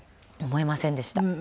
思いませんでした。